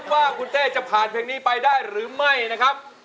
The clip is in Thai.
ว่าคุณเต้จะผ่านเพลงนี้ไปได้หรือไม่นะครับ